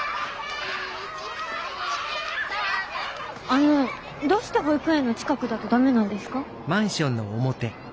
あのどうして保育園の近くだとダメなんですか？